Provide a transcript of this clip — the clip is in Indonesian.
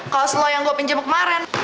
kaos lo yang gue pinjam kemaren